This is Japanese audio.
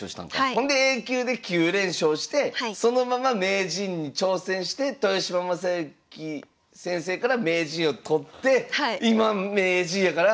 ほんでＡ級で９連勝してそのまま名人に挑戦して豊島将之先生から名人を取って今名人やから。